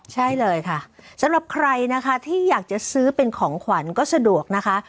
ใช่เลยค่ะสำหรับใครนะคะที่อยากจะซื้อเป็นของขวัญก็สะดวกนะคะ